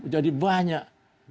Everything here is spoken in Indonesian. jadi banyak yang memberikan